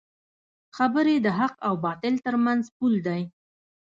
خبرې د حق او باطل ترمنځ پول دی